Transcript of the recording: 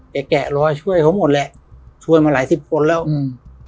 แกแกะรอยช่วยเขาหมดแหละช่วยมาหลายสิบคนแล้วอืม